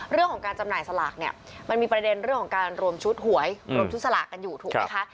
เรื่องของการจำหน่ายสลากเนี่ยมันมีประเด็นเรื่องของการรวมชุดหวยรวมชุดสลากกันอยู่ถูกไหมคะ